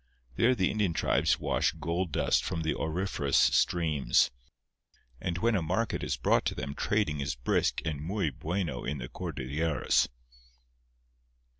There the Indian tribes wash gold dust from the auriferous streams; and when a market is brought to them trading is brisk and muy bueno in the Cordilleras.